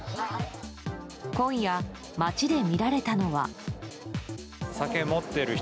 今夜、街で見られたのは。